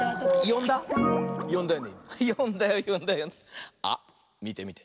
よんだよよんだよよんだよ。あっみてみて。